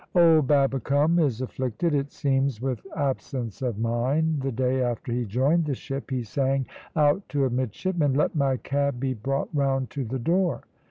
Old Babbicome is afflicted, it seems, with absence of mind. The day after he joined the ship he sang out to a midshipman, `Let my cab be brought round to the door.'